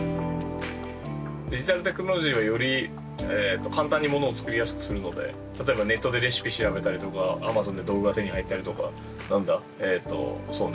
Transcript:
デジタルテクノロジーはより簡単にものを作りやすくするので例えばネットでレシピ調べたりとかａｍａｚｏｎで道具が手に入ったりとか何だそうね